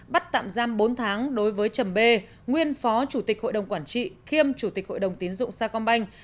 bắt tạm giam bốn tháng đối với trầm bê nguyên phó chủ tịch hội đồng quản trị kiêm chủ tịch hội đồng tín dụng sa công banh